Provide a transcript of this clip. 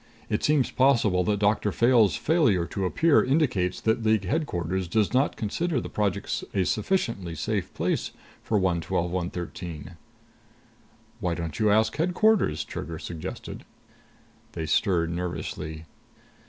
It seems possible that Doctor Fayle's failure to appear indicates that League Headquarters does not consider the project a sufficiently safe place for 112 113." "Why don't you ask Headquarters?" Trigger suggested. They stirred nervously.